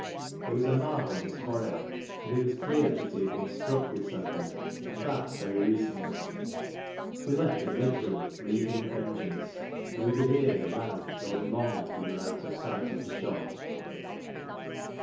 There was a mark on his forehead, and it was clear that he had been struck with something, and that very recently. We left him literally "breathing vengeance," and we could hear the "row" going long after we were out of sight of the shop.